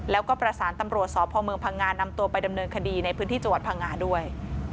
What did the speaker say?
แล้วก็ประสานตำรวจสพเมืองพังงานำตัวไปดำเนินคดีในพื้นที่จังหวัดพังงาด้วย